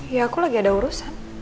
ya aku lagi ada urusan